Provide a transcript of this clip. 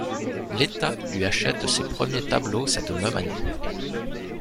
L'État lui achète ses premiers tableaux cette même année.